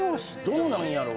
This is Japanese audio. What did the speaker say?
どうなんやろ。